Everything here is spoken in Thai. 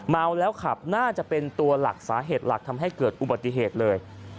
เมาแล้วขับน่าจะเป็นตัวหลักสาเหตุหลักทำให้เกิดอุบัติเหตุเลย